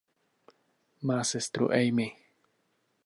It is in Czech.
Má sestru Amy.